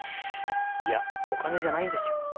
お金じゃないんですよ